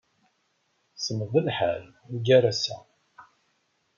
Semmeḍ lḥal ugar ass-a.